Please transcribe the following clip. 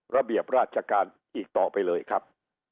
ระเบียบราชการอีกต่อไปเลยครับ